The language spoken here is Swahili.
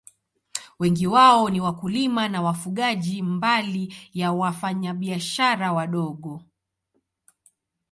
Wengi wao ni wakulima na wafugaji, mbali ya wafanyabiashara wadogo.